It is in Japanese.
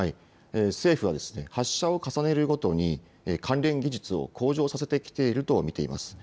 政府は発射を重ねるごとに関連技術を向上させてきていると見ています。